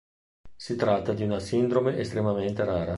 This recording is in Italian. Si tratta di una sindrome estremamente rara.